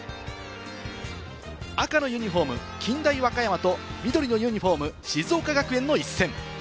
赤のユニホーム、近大和歌山と緑のユニホーム、静岡学園の一戦。